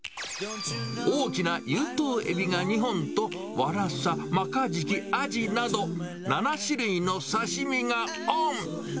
大きな有頭エビが２本と、ワラサ、マカジキ、アジなど、７種類の刺身がオン。